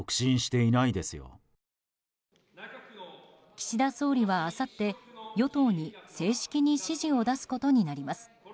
岸田総理はあさって与党に正式に指示を出すことになります。